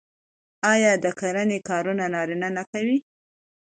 آیا د کرنې کارونه نارینه نه کوي؟